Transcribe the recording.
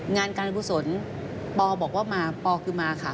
งานการผู้สนปอล์บอกว่ามาปอล์คือมาค่ะ